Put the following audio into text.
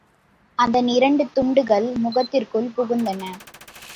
அதன் இரண்டு துண்டுகள் முகத்திற்குள் புகுந்தன.